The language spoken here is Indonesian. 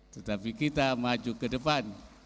tetapi kita maju ke depan